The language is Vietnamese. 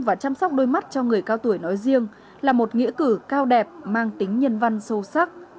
và chăm sóc đôi mắt cho người cao tuổi nói riêng là một nghĩa cử cao đẹp mang tính nhân văn sâu sắc